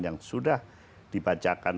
yang sudah dibacakan